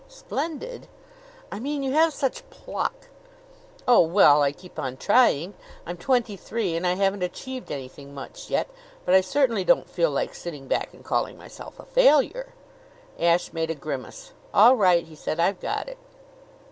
"Splendid?" "I mean, you have such pluck." "Oh, well; I keep on trying. I'm twenty three and I haven't achieved anything much yet; but I certainly don't feel like sitting back and calling myself a failure." Ashe made a grimace. "All right," he said. "I've got it."